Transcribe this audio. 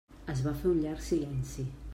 Es va fer un llarg silenci.